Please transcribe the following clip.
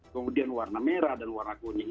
kemudian warna merah dan warna kuning